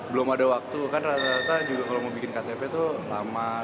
belum ada waktu kan rata rata juga kalau mau bikin ktp tuh lama